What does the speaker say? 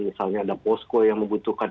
misalnya ada posko yang membutuhkan